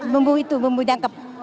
bumbu itu bumbu jangkep